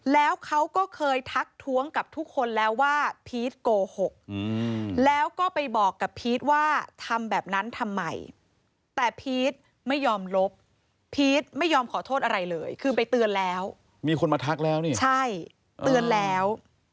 แล้วเขาก็เคยทักท้วงกับทุกคนแล้วว่าพีชโกหกแล้วก็ไปบอกกับพีชว่าทำแบบนั้นทำไมแต่พีชไม่ยอมลบพีชไม่ยอมขอโทษอะไรเลยคือไปเตือนแล้วมีคนมาทักแล้วนี่ใช่เตือนแล้ว